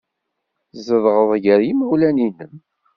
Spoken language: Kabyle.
Tzedɣeḍ ɣer yimawlan-nnem.